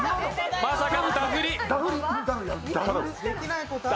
まさかのダフり。